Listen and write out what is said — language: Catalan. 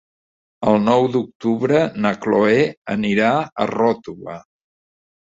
El nou d'octubre na Cloè anirà a Ròtova.